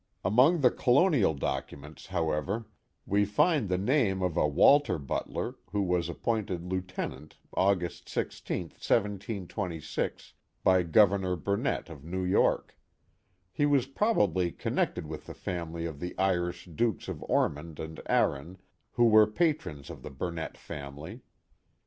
Among the colonial documents, however, we find the name of a Wal 211 212 The Mohawk Valley ter Butler, who was appointed lieutenant August i6. 1726, by Governor Burnett of New York. He was probably connected with the family of the Irish dukes of Ormond and Arran, who were patrons of the Burnett family.